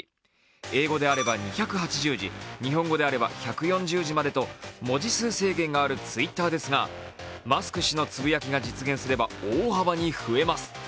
英語であれば２８０字日本語であれば１４０字までと文字数制限があるＴｗｉｔｔｅｒですが、マスク氏のつぶやきが実現すれば大幅に増えます。